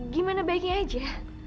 gimana baiknya aja